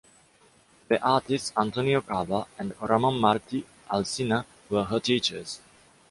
The artists Antonio Caba and Ramón Martí Alsina were her teachers.